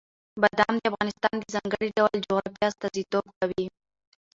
بادام د افغانستان د ځانګړي ډول جغرافیه استازیتوب کوي.